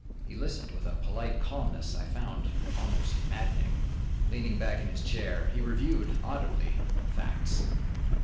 He listened with a polite calmness I found almost maddening. Leaning back in his chair, he reviewed, audibly, the facts.